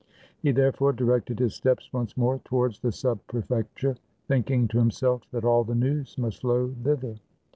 He therefore directed his steps once more towards the Sub Prefecture, thinking to himself that all the news must flow thither.